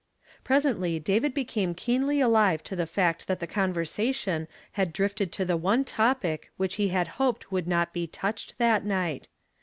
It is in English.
Presently David became keenly alive to the fact that the conversation had drifted to the one topic which he had hoped would not be touched that night.